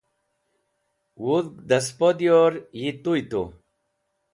wudg da spo diyor yi tuy tu